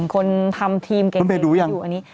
คนทำทีมแบบเก่งอยู่อันนี้